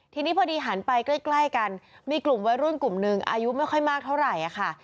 ทีนี้พอดีหันไปใกล้กันมีกลุ่มวัยรุ่นกลุ่มหนึ่งอายุไม่ค่อยมากเท่าไหร่ค่ะ